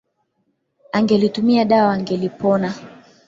Angelitumia dawa angelipona.